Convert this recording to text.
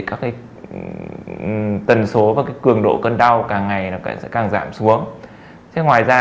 các cái tần số và cái cường độ cân đau càng ngày nó sẽ càng giảm xuống thế ngoài ra